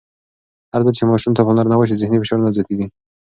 هرځل چې ماشوم ته پاملرنه وشي، ذهني فشار نه زیاتېږي.